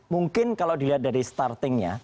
mungkin kalau dilihat dari startingnya